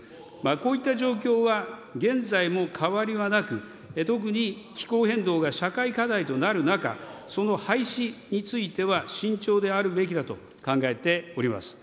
こういった状況は現在も変わりはなく、特に気候変動が社会課題となる中、その廃止については慎重であるべきだと考えております。